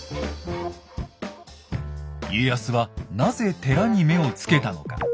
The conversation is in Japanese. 家康はなぜ寺に目をつけたのか。